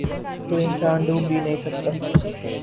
کوئی انسان ڈوب بھی نہیں سکتا